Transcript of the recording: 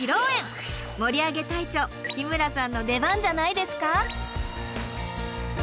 盛り上げ隊長日村さんの出番じゃないですか？